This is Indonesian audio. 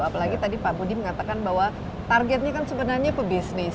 apalagi tadi pak budi mengatakan bahwa targetnya kan sebenarnya pebisnis